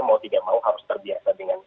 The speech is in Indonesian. mau tidak mau harus terbiasa dengan